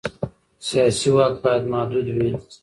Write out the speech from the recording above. سیاسي واک باید محدود وي